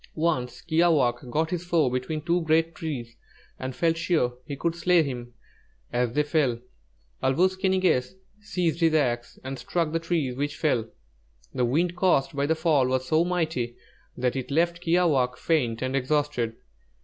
Once Kiāwāhq' got his foe between two great trees and felt sure he could slay him as they fell. Āl wūs ki ni gess seized his axe and struck the trees which fell. The wind caused by their fall was so mighty that it left Kiāwāhq' faint and exhausted.